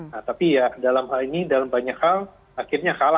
nah tapi ya dalam hal ini dalam banyak hal akhirnya kalah